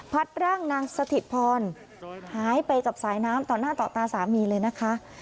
ร่างนางสถิตพรหายไปกับสายน้ำต่อหน้าต่อตาสามีเลยนะคะ